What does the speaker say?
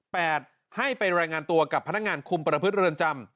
ให้ไปรายงานตัวกับพนักงานคุมประพฤติเรือนจำ